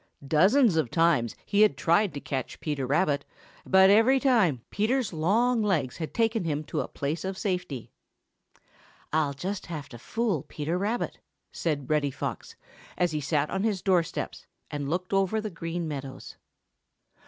Dozens of times he had tried to catch Peter Rabbit, and every time Peter's long legs had taken him to a place of safety. "I'll just have to fool Peter Rabbit," said Reddy Fox, as he sat on his door steps and looked over the Green Meadows.